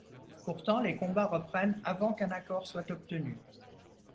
Pourtant, les combats reprennent avant qu’un accord soit obtenu.